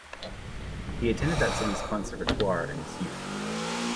He attended that city's conservatoire in his youth.